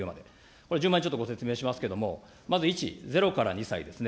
これ順番にご説明しますけれども、まず１、０から２歳ですね。